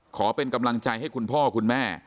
ขอเป็นกำลังใจให้คุณพ่อคุณแม่